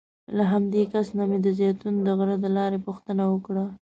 له همدې کس نه مې د زیتون د غره د لارې پوښتنه وکړه.